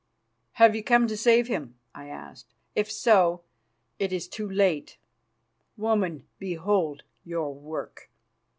"Have you come to save him?" I asked. "If so, it is too late. Woman, behold your work."